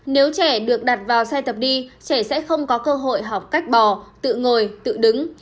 nếu trẻ được đặt vào xe tập đi trẻ sẽ không có cơ hội học cách bò tự ngồi tự đứng